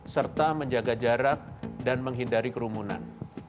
serta menjaga jarak dan menghindari kerumunan